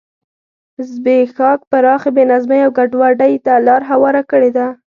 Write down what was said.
زبېښاک پراخې بې نظمۍ او ګډوډۍ ته لار هواره کړې ده.